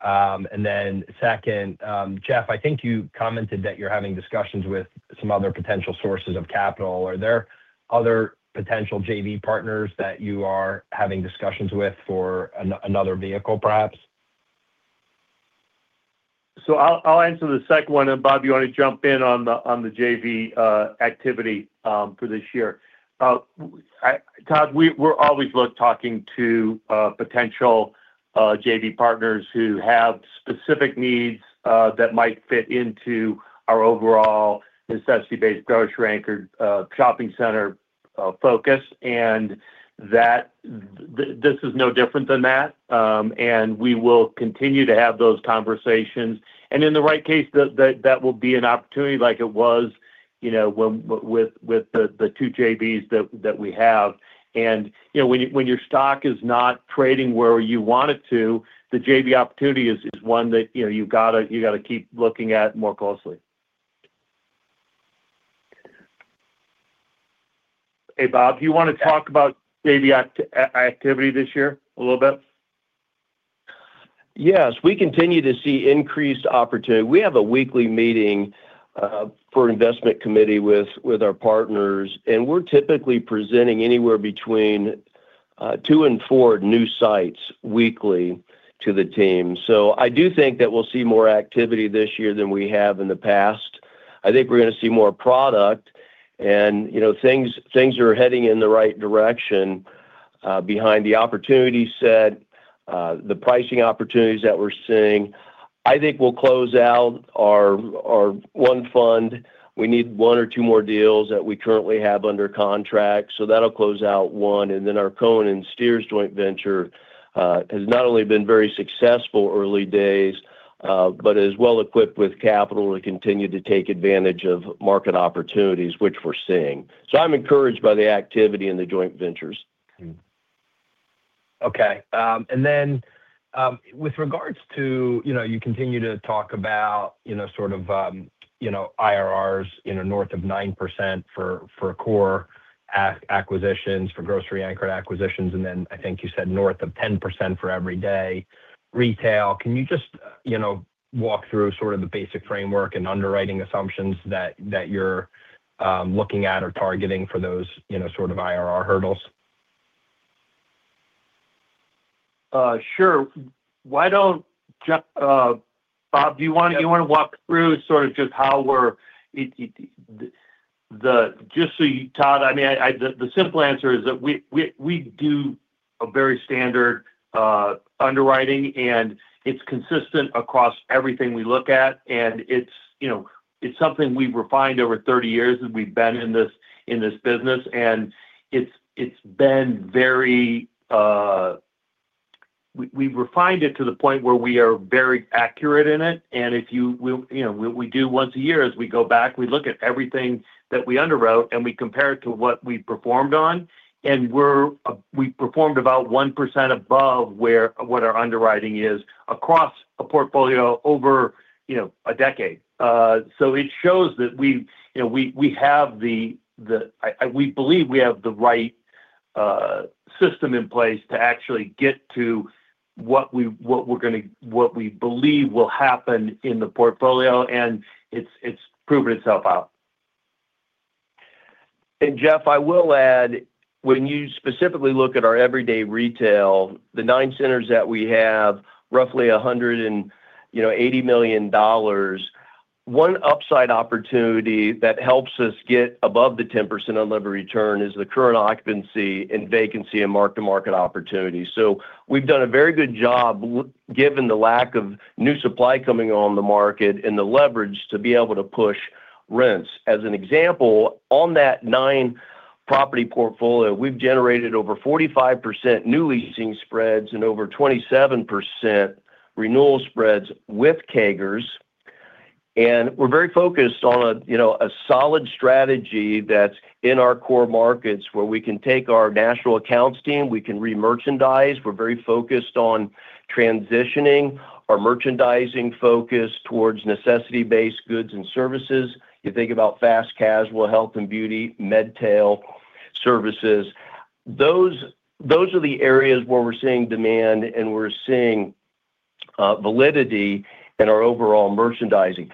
And then second, Jeff, I think you commented that you're having discussions with some other potential sources of capital. Are there other potential JV partners that you are having discussions with for another vehicle, perhaps? So I'll answer the second one. And Bob, you want to jump in on the JV activity for this year? Todd, we're always talking to potential JV partners who have specific needs that might fit into our overall necessity-based grocery-anchored shopping center focus. And this is no different than that. And we will continue to have those conversations. And in the right case, that will be an opportunity like it was with the two JVs that we have. And when your stock is not trading where you want it to, the JV opportunity is one that you've got to keep looking at more closely. Hey, Bob, do you want to talk about JV activity this year a little bit? Yes. We continue to see increased opportunity. We have a weekly meeting for investment committee with our partners, and we're typically presenting anywhere between two and four new sites weekly to the team. So I do think that we'll see more activity this year than we have in the past. I think we're going to see more product, and things are heading in the right direction behind the opportunity set, the pricing opportunities that we're seeing. I think we'll close out our one fund. We need one or two more deals that we currently have under contract. So that'll close out one. And then our Cohen & Steers joint venture has not only been very successful early days, but is well equipped with capital to continue to take advantage of market opportunities, which we're seeing. So I'm encouraged by the activity in the joint ventures. Okay. And then with regards to you continue to talk about sort of IRRs north of 9% for core acquisitions, for grocery-anchored acquisitions, and then I think you said north of 10% for everyday retail. Can you just walk through sort of the basic framework and underwriting assumptions that you're looking at or targeting for those sort of IRR hurdles? Sure. Bob, do you want to walk through sort of how we're so you, Todd? I mean, the simple answer is that we do a very standard underwriting, and it's consistent across everything we look at. And it's something we've refined over 30 years, and we've been in this business, and we've refined it to the point where we are very accurate in it. And we do once a year, as we go back, we look at everything that we underwrote, and we compare it to what we performed on. And we performed about 1% above what our underwriting is across a portfolio over a decade. So it shows that we believe we have the right system in place to actually get to what we believe will happen in the portfolio, and it's proven itself out. And Jeff, I will add, when you specifically look at our everyday retail, the nine centers that we have, roughly $180 million, one upside opportunity that helps us get above the 10% unlevered return is the current occupancy and vacancy and mark-to-market opportunity. So we've done a very good job given the lack of new supply coming on the market and the leverage to be able to push rents. As an example, on that nine-property portfolio, we've generated over 45% new leasing spreads and over 27% renewal spreads with CAGRs. And we're very focused on a solid strategy that's in our core markets where we can take our national accounts team. We can remerchandise. We're very focused on transitioning our merchandising focus towards necessity-based goods and services. You think about fast casual, health and beauty, MedTail services. Those are the areas where we're seeing demand, and we're seeing validity in our overall merchandising.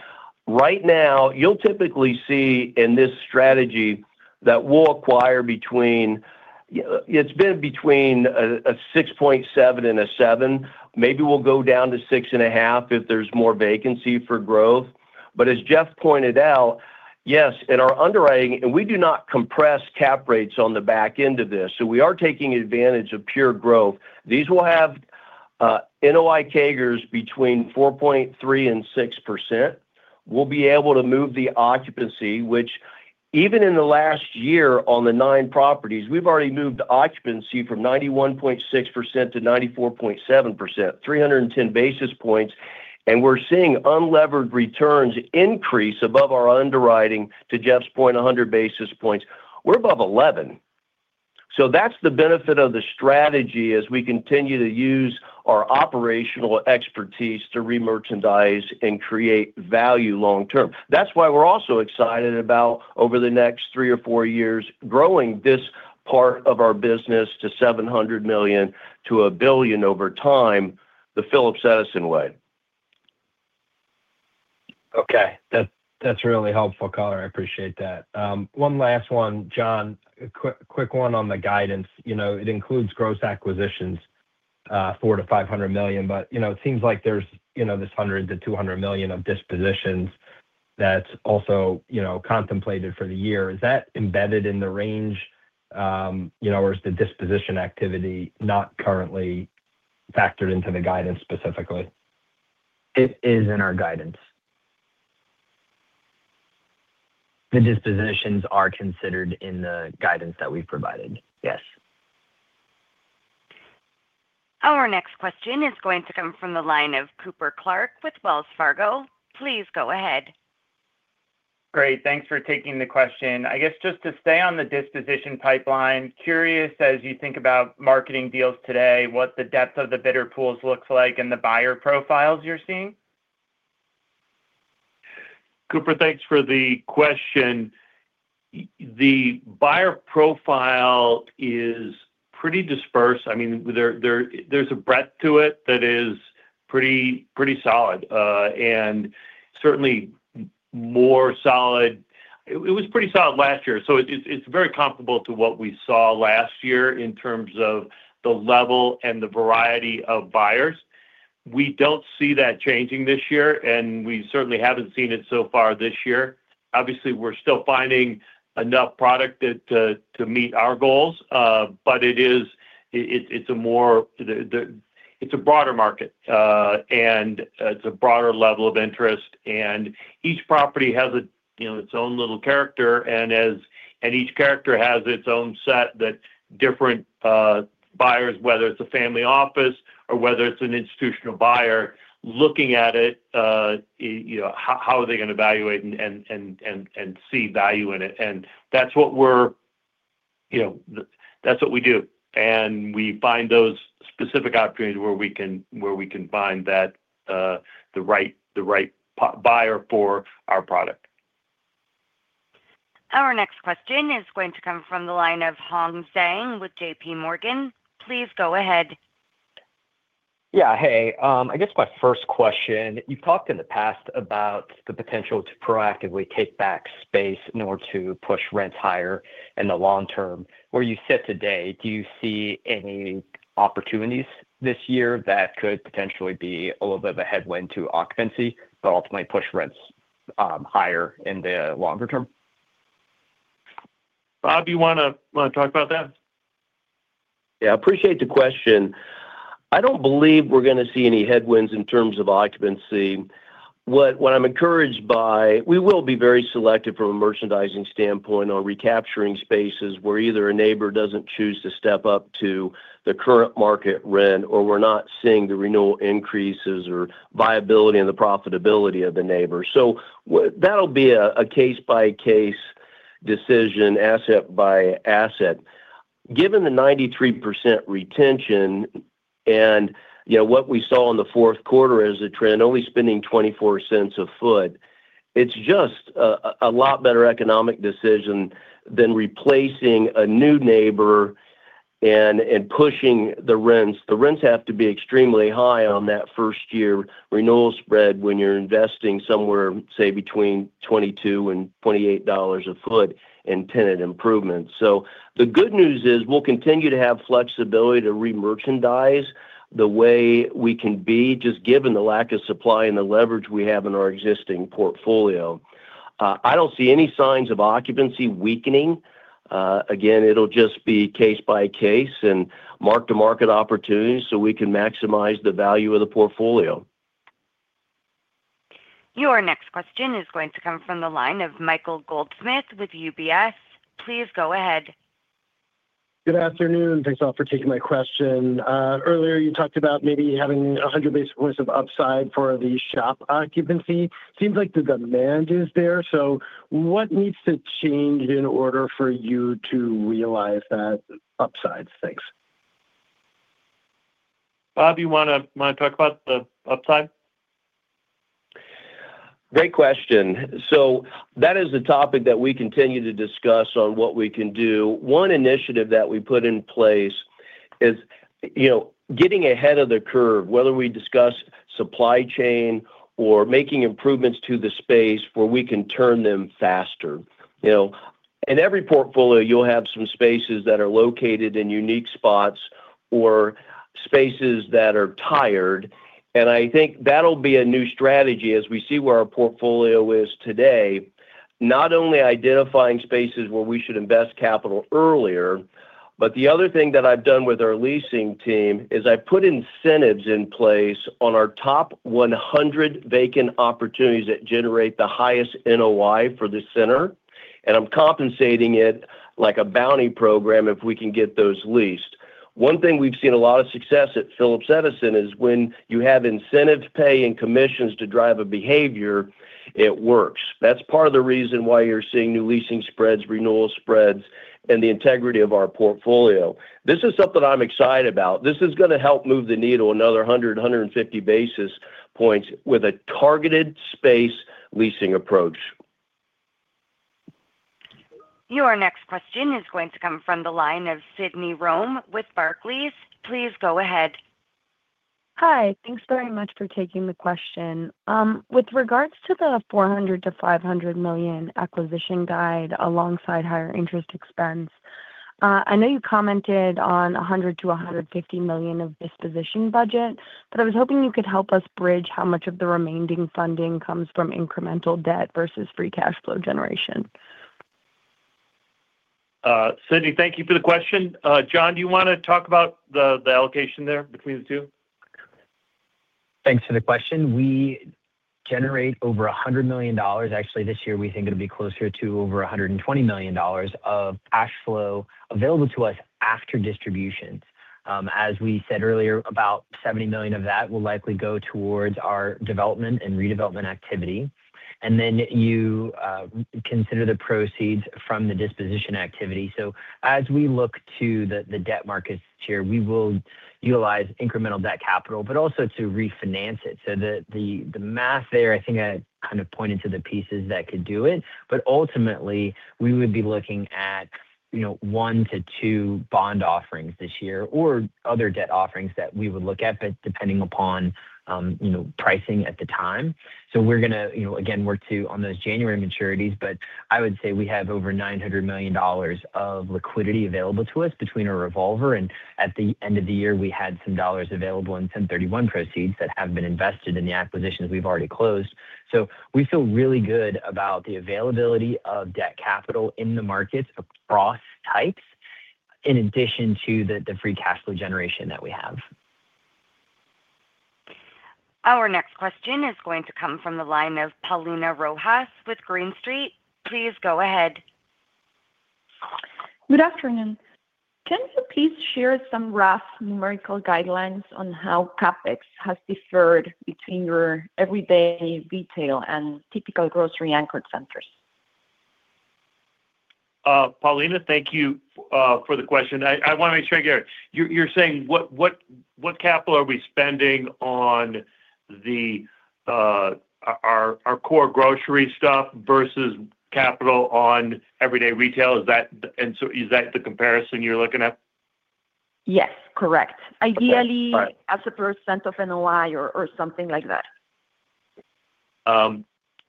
Right now, you'll typically see in this strategy that we'll acquire between—it's been between a 6.7 and a 7. Maybe we'll go down to 6.5 if there's more vacancy for growth. But as Jeff pointed out, yes, in our underwriting and we do not compress cap rates on the back end of this. So we are taking advantage of pure growth. These will have NOI CAGRs between 4.3% and 6%. We'll be able to move the occupancy, which even in the last year on the nine properties, we've already moved occupancy from 91.6% to 94.7%, 310 basis points. And we're seeing unlevered returns increase above our underwriting to Jeff's point, 100 basis points. We're above 11. That's the benefit of the strategy as we continue to use our operational expertise to remerchandise and create value long-term. That's why we're also excited about, over the next three or four years, growing this part of our business to $700 million-$1 billion over time, the Phillips Edison Way. Okay. That's really helpful, color. I appreciate that. One last one, John, a quick one on the guidance. It includes gross acquisitions, $400 million-$500 million, but it seems like there's this $100 million-$200 million of dispositions that's also contemplated for the year. Is that embedded in the range, or is the disposition activity not currently factored into the guidance specifically? It is in our guidance. The dispositions are considered in the guidance that we've provided. Yes. Our next question is going to come from the line of Cooper Clark with Wells Fargo. Please go ahead. Great. Thanks for taking the question. I guess just to stay on the disposition pipeline, curious, as you think about marketing deals today, what the depth of the bidder pools looks like and the buyer profiles you're seeing? Cooper, thanks for the question. The buyer profile is pretty dispersed. I mean, there's a breadth to it that is pretty solid and certainly more solid it was pretty solid last year. So it's very comparable to what we saw last year in terms of the level and the variety of buyers. We don't see that changing this year, and we certainly haven't seen it so far this year. Obviously, we're still finding enough product to meet our goals, but it's a broader market, and it's a broader level of interest. And each property has its own little character, and each character has its own set that different buyers, whether it's a family office or whether it's an institutional buyer, looking at it, how are they going to evaluate and see value in it? And that's what we do. We find those specific opportunities where we can find the right buyer for our product. Our next question is going to come from the line of Hong Zhang with JPMorgan. Please go ahead. Yeah. Hey. I guess my first question, you've talked in the past about the potential to proactively take back space in order to push rents higher in the long term. Where you sit today, do you see any opportunities this year that could potentially be a little bit of a headwind to occupancy but ultimately push rents higher in the longer term? Bob, you want to talk about that? Yeah. I appreciate the question. I don't believe we're going to see any headwinds in terms of occupancy. What I'm encouraged by, we will be very selective from a merchandising standpoint on recapturing spaces where either a neighbor doesn't choose to step up to the current market rent or we're not seeing the renewal increases or viability and the profitability of the neighbor. So that'll be a case-by-case decision, asset by asset. Given the 93% retention and what we saw in the fourth quarter as a trend, only spending $0.24 a foot, it's just a lot better economic decision than replacing a new neighbor and pushing the rents. The rents have to be extremely high on that first-year renewal spread when you're investing somewhere, say, between $22-$28 a foot in tenant improvements. The good news is we'll continue to have flexibility to remerchandise the way we can be, just given the lack of supply and the leverage we have in our existing portfolio. I don't see any signs of occupancy weakening. Again, it'll just be case by case and mark-to-market opportunities so we can maximize the value of the portfolio. Your next question is going to come from the line of Michael Goldsmith with UBS. Please go ahead. Good afternoon. Thanks a lot for taking my question. Earlier, you talked about maybe having 100 basis points of upside for the shop occupancy. Seems like the demand is there. So what needs to change in order for you to realize that upside? Thanks. Bob, you want to talk about the upside? Great question. So that is a topic that we continue to discuss on what we can do. One initiative that we put in place is getting ahead of the curve, whether we discuss supply chain or making improvements to the space where we can turn them faster. In every portfolio, you'll have some spaces that are located in unique spots or spaces that are tired. And I think that'll be a new strategy as we see where our portfolio is today, not only identifying spaces where we should invest capital earlier, but the other thing that I've done with our leasing team is I put incentives in place on our top 100 vacant opportunities that generate the highest NOI for the center. And I'm compensating it like a bounty program if we can get those leased. One thing we've seen a lot of success at Phillips Edison is when you have incentive pay and commissions to drive a behavior, it works. That's part of the reason why you're seeing new leasing spreads, renewal spreads, and the integrity of our portfolio. This is something I'm excited about. This is going to help move the needle another 100-150 basis points with a targeted space leasing approach. Your next question is going to come from the line of Sydney Rome with Barclays. Please go ahead. Hi. Thanks very much for taking the question. With regards to the $400 million-$500 million acquisition guide alongside higher interest expense, I know you commented on $100 million-$150 million of disposition budget, but I was hoping you could help us bridge how much of the remaining funding comes from incremental debt versus free cash flow generation. Sydney, thank you for the question. John, do you want to talk about the allocation there between the two? Thanks for the question. We generate over $100 million. Actually, this year, we think it'll be closer to over $120 million of cash flow available to us after distributions. As we said earlier, about $70 million of that will likely go towards our development and redevelopment activity. And then you consider the proceeds from the disposition activity. So as we look to the debt markets here, we will utilize incremental debt capital, but also to refinance it. So the math there, I think I kind of pointed to the pieces that could do it. But ultimately, we would be looking at one to two bond offerings this year or other debt offerings that we would look at, but depending upon pricing at the time. So we're going to, again, work on those January maturities. I would say we have over $900 million of liquidity available to us between a revolver. At the end of the year, we had some dollars available in 1031 proceeds that have been invested in the acquisitions we've already closed. So we feel really good about the availability of debt capital in the markets across types, in addition to the free cash flow generation that we have. Our next question is going to come from the line of Paulina Rojas with Green Street. Please go ahead. Good afternoon. Can you please share some rough numerical guidelines on how CapEx has deferred between your everyday retail and typical grocery-anchored centers? Paulina, thank you for the question. I want to make sure I get it. You're saying what capital are we spending on our core grocery stuff versus capital on everyday retail? Is that the comparison you're looking at? Yes. Correct. Ideally, as a % of NOI or something like that.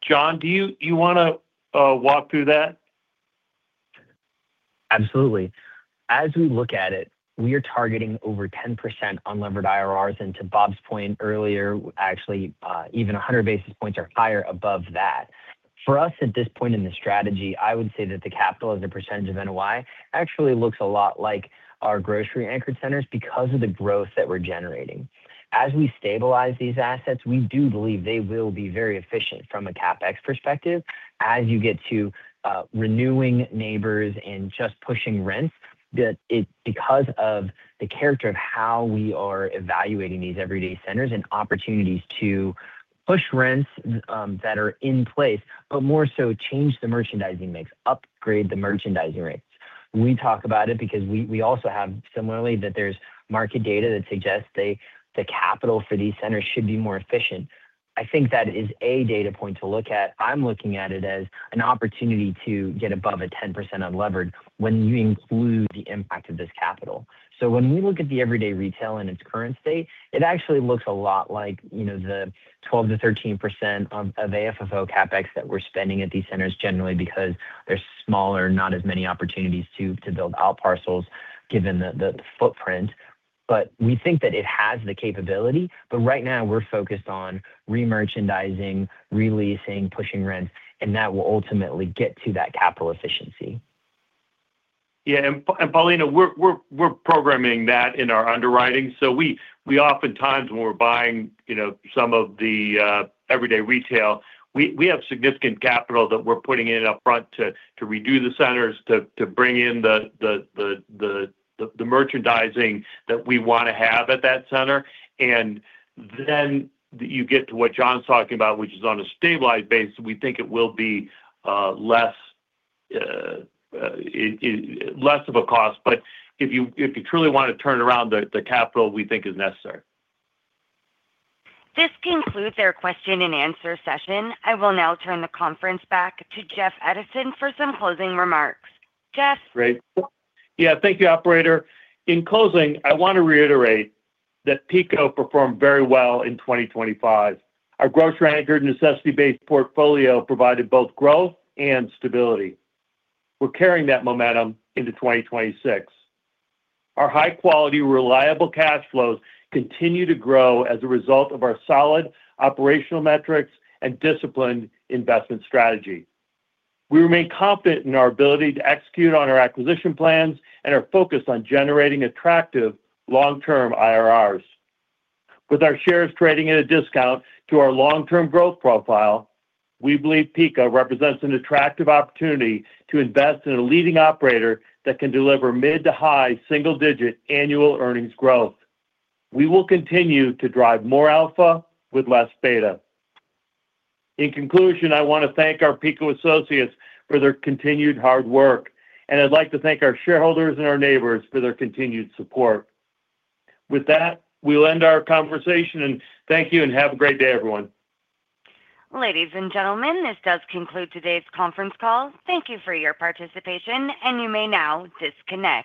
John, do you want to walk through that? Absolutely. As we look at it, we are targeting over 10% unlevered IRRs. To Bob's point earlier, actually, even 100 basis points are higher above that. For us, at this point in the strategy, I would say that the capital as a percentage of NOI actually looks a lot like our grocery anchored centers because of the growth that we're generating. As we stabilize these assets, we do believe they will be very efficient from a CapEx perspective. As you get to renewing neighbors and just pushing rents, because of the character of how we are evaluating these everyday centers and opportunities to push rents that are in place, but more so change the merchandising mix, upgrade the merchandising rates. We talk about it because we also have similarly that there's market data that suggests the capital for these centers should be more efficient. I think that is a data point to look at. I'm looking at it as an opportunity to get above a 10% unlevered when you include the impact of this capital. So when we look at the everyday retail in its current state, it actually looks a lot like the 12%-13% of AFFO CapEx that we're spending at these centers generally because there's smaller, not as many opportunities to build out parcels given the footprint. But we think that it has the capability. But right now, we're focused on remerchandising, re-leasing, pushing rents, and that will ultimately get to that capital efficiency. Yeah. And Paulina, we're programming that in our underwriting. So we oftentimes, when we're buying some of the everyday retail, we have significant capital that we're putting in upfront to redo the centers, to bring in the merchandising that we want to have at that center. And then you get to what John's talking about, which is on a stabilized basis. We think it will be less of a cost. But if you truly want to turn around the capital, we think is necessary. This concludes our question and answer session. I will now turn the conference back to Jeff Edison for some closing remarks. Jeff. Great. Yeah. Thank you, operator. In closing, I want to reiterate that PECO performed very well in 2025. Our grocery-anchored necessity-based portfolio provided both growth and stability. We're carrying that momentum into 2026. Our high-quality, reliable cash flows continue to grow as a result of our solid operational metrics and disciplined investment strategy. We remain confident in our ability to execute on our acquisition plans and are focused on generating attractive long-term IRRs. With our shares trading at a discount to our long-term growth profile, we believe PECO represents an attractive opportunity to invest in a leading operator that can deliver mid to high single-digit annual earnings growth. We will continue to drive more alpha with less beta. In conclusion, I want to thank our PECO associates for their continued hard work. I'd like to thank our shareholders and our neighbors for their continued support. With that, we'll end our conversation. Thank you and have a great day, everyone. Ladies and gentlemen, this does conclude today's conference call. Thank you for your participation, and you may now disconnect.